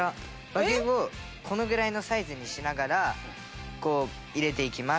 和牛をこのくらいのサイズにしながら入れていきます。